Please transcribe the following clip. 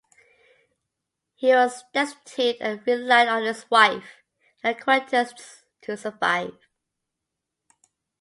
He was destitute and relied on his wife and acquaintances to survive.